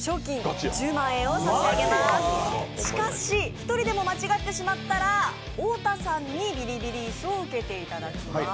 一人でも間違ってしまったら太田さんにビリビリ椅子を受けてもらいます。